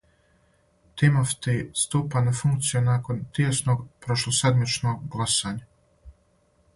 Тимофти ступа на функцију након тијесног прошлоседмичног гласања.